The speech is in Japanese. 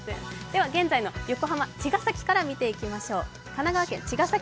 では現在の神奈川県茅ヶ崎から見ていきましょう。